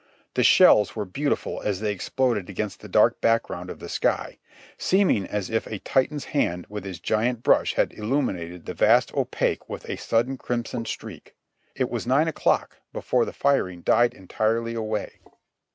The shells were beautiful as they exploded against the dark background of the sky, seeming as if a Titan's hand with his giant brush had illuminated the vast opaque with a sudden crimson streak. It was nine o'clock before the firing died entirely away.